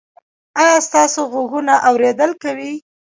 ایا ستاسو غوږونه اوریدل کوي؟